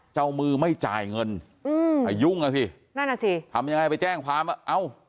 เจ้ามือไม่จ่ายเงินอืมอายุอ่ะสินั่นอ่ะสิทำยังไงไปแจ้งความอ่ะเอ้า